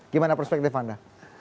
gimana perspektif anda